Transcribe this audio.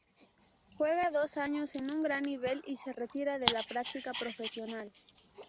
Juega dos años en un gran nivel y se retira de la práctica profesional.